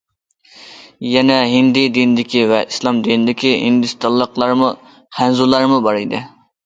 يەنە ھىندى دىنىدىكى ۋە ئىسلام دىنىدىكى ھىندىستانلىقلارمۇ، خەنزۇلارمۇ بار ئىدى.